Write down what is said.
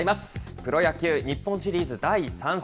プロ野球・日本シリーズ第３戦。